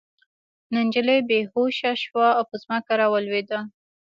نجلۍ بې هوښه شوه او په ځمکه راولوېده